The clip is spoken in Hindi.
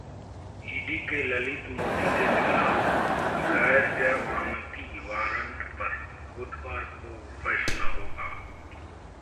ईडी के ललित मोदी के खिलाफ गैर जमानती वारंट पर बुधवार को फैसला होगा